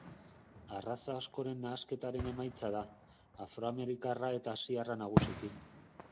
Arraza askoren nahasketaren emaitza da, afroamerikarra eta asiarra nagusiki.